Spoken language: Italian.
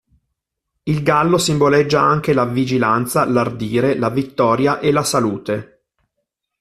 Il gallo simboleggia anche la "vigilanza", l"'ardire", la "vittoria" e la "salute".